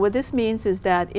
thật sự tất cả những người